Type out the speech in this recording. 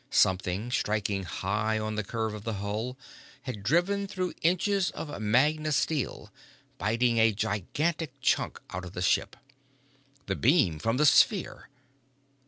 Something, striking high on the curve of the hull, had driven through inches of magna steel, biting a gigantic chunk out of the ship. The beam from the sphere!